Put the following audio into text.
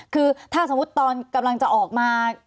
คือถ้าสมมุติตอนกำลังจะออกมา